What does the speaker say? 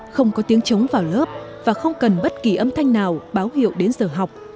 không có tiếng chống vào lớp và không cần bất kỳ âm thanh nào báo hiệu đến giờ học